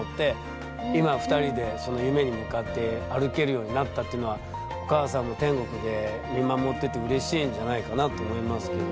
今２人でその夢に向かって歩けるようになったっていうのはお母さんも天国で見守っててうれしいんじゃないかなって思いますけど。